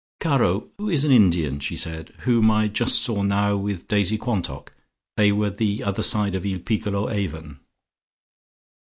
"Caro, who is an Indian," she said, "whom I saw just now with Daisy Quantock? They were the other side of il piccolo Avon."